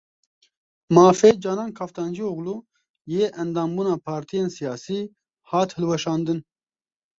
Mafê Canan Kaftancioglu yê endambûna partiyên siyasî hat hilweşandin.